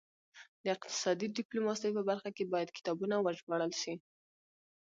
د اقتصادي ډیپلوماسي په برخه کې باید کتابونه وژباړل شي